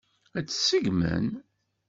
Ad tt-seggmen?